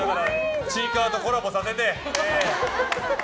「ちいかわ」とコラボさせて！